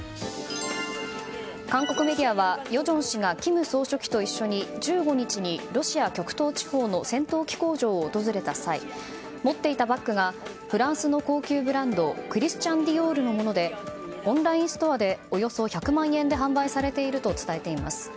韓国メディアは与正氏が金総書記と一緒に１５日にロシア極東の戦闘機工場を訪れた際持っていたバッグがフランスの高級ブランドクリスチャン・ディオールのものでオンラインストアでおよそ１００万円で販売されていると伝えています。